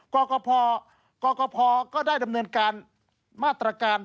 กกพก็ได้ดำเนินการมาตรการ